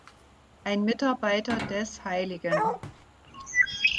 Ein Mitarbeiter des Hl.